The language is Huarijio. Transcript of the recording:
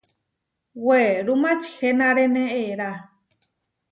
Werú mačihenaréne eerá.